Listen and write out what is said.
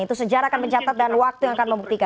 itu sejarah akan mencatat dan waktu yang akan membuktikan